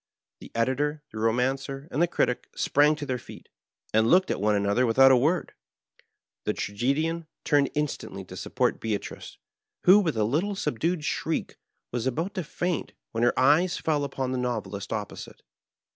The Editor, the Bomancer, and the Critic sprang to their feet, and looked at one another without a word; the Tragedian turned instantly to support Beatrice^ who, with a little Digitized by VjOOQIC 14 OK BOARD THM ''BAVARIA:' Bubdued shriek, was about to f aint, when her eyes fell tipon the Novelist opposite.